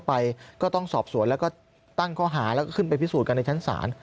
ไปก็ต้องสอบสวนแล้วก็ตั้งข้อหาแล้วก็ขึ้นไปพิสูจนกันในชั้นศาล